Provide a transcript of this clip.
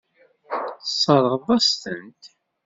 Tesseṛɣeḍ-asen-tent.